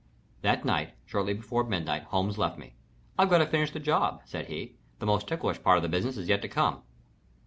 That night, shortly before midnight, Holmes left me. "I've got to finish this job," said he. "The most ticklish part of the business is yet to come."